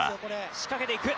仕掛けていく。